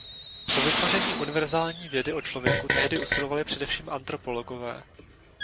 O vytvoření univerzální vědy o člověku tehdy usilovali především antropologové.